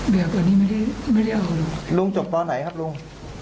แบบอันนี้ไม่ได้ไม่ได้เอาลุงจบตอนไหนครับลุง